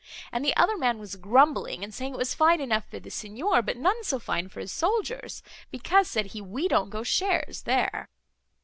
And the other man was grumbling, and saying it was fine enough for the Signor, but none so fine for his soldiers, because, said he, we don't go shares there."